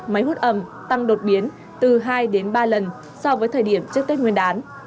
máy hút ẩm tăng đột biến từ hai đến ba lần so với thời điểm trước tết nguyên đán